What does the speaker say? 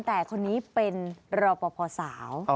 แต่คนนี้เป็นรอปภสาว